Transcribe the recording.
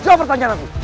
jawab pertanyaan aku